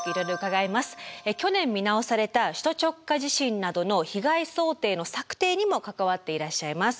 去年見直された首都直下地震などの被害想定の策定にも関わっていらっしゃいます。